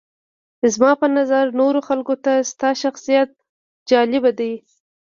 زما په نظر نورو خلکو ته ستا شخصیت جالبه دی.